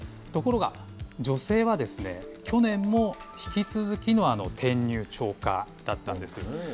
ところが、女性は、去年も引き続きの転入超過だったんです。